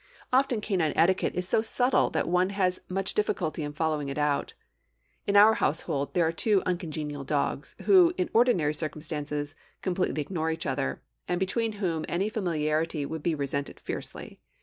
Often canine etiquette is so subtle that one has much difficulty in following it out. In our household are two uncongenial dogs, who, in ordinary circumstances, completely ignore each other, and between whom any familiarity would be resented fiercely.